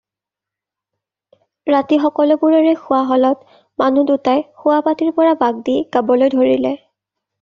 ৰাতি সকলোবোৰৰে খোৱা হ'লত, মানুহ দুটাই শোৱাপাটীৰ পৰা বাগ দি গাবলৈ ধৰিলে।